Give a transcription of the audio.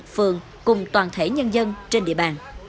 phường cùng toàn thể nhân dân trên địa bàn